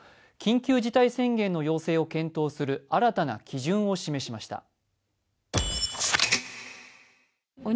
緊急事態宣言の要請を検討する新たな基準を示しました。